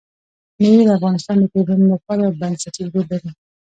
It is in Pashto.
مېوې د افغانستان د ټولنې لپاره یو بنسټيز رول لري.